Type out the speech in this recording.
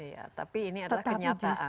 iya tapi ini adalah kenyataan